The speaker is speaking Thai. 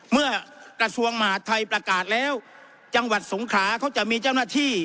กระทรวงมหาทัยประกาศแล้วจังหวัดสงขลาเขาจะมีเจ้าหน้าที่